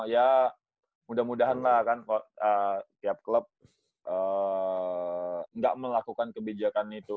ya mudah mudahan lah kan tiap klub tidak melakukan kebijakan itu